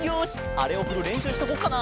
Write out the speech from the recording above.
あれをふるれんしゅうしとこっかな。